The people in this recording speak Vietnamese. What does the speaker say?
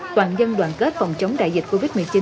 toàn dân đoàn kết phòng chống đại dịch covid một mươi chín